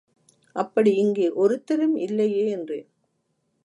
அப்படி இங்கே ஒருத்தருமில்லையே என்றேன்.